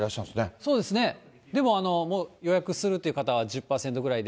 そうですね、でも予約するという方は１０％ぐらいで。